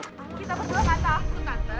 kita berdua kata